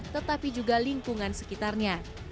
tetapi juga lingkungan sekitarnya